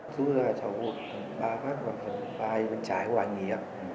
thứ là cháu vụt ba phát vào phần vai bên trái của anh ấy ạ